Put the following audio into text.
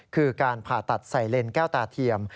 คือการผ่าตัดใส่เลนแก้วตาเทียม